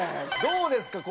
どうですか？